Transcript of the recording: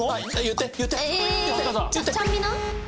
ちゃんみな？